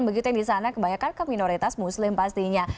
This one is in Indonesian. begitu yang di sana kebanyakan keminoritas muslim pastinya